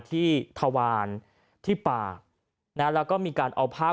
จนกระทั่งบ่าย๓โมงก็ไม่เห็นออกมา